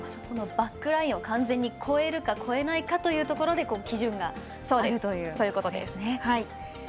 このバックラインを完全に越えるか越えないかというところで基準があるということですね。